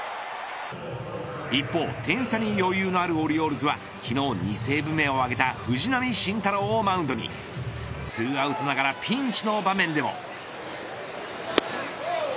一方、点差に余裕のあるオリオールズは昨日２セーブ目を挙げた藤浪晋太郎をマウンドに２アウトながらピンチの場面でも。